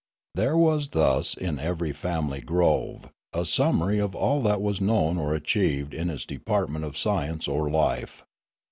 There was thus in every family grove a summary of all that was known or achieved in its department of science or life.